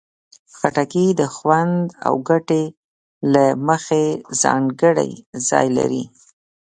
خټکی د خوند او ګټې له مخې ځانګړی ځای لري.